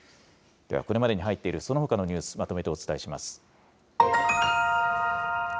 では、これまでに入っている、そのほかのニュース、まとめてお伝えします。